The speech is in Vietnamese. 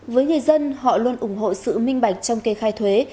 với người dân họ luôn ủng hộ sự minh bạch trong kê khai thuế